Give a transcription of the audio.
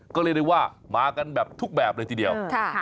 ก็เรียกได้ว่ามากันแบบทุกแบบเลยทีเดียว